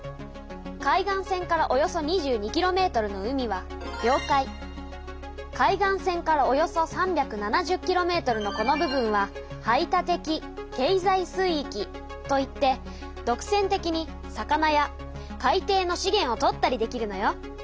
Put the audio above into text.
海岸線からおよそ２２ｋｍの海は領海海岸線からおよそ３７０ｋｍのこの部分は排他的経済水域といってどくせん的に魚や海底のしげんをとったりできるのよ。